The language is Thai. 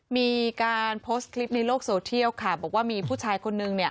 มีการโพสต์คลิปในโลกโซเทียลค่ะบอกว่ามีผู้ชายคนนึงเนี่ย